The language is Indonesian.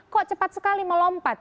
kok cepat sekali melompat